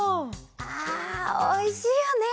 あおいしいよね！